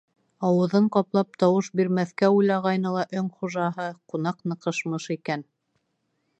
Ауыҙын ҡаплап тауыш бирмәҫкә уйлағайны ла өң хужаһы, ҡунаҡ ныҡышмыш икән: